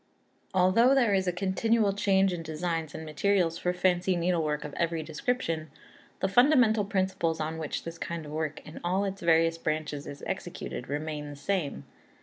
Although there is a continual change in designs and materials for fancy needlework of every description, the fundamental principles on which this kind of work in all its various branches is executed remain the same.